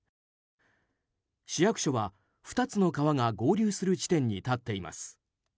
区役所は２つの川が合流する地点に建っています。